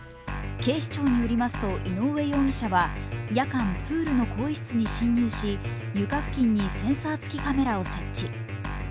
警視庁によりますと、井上容疑者は夜間プールの更衣室に侵入し、床付近にセンサー付きカメラを設置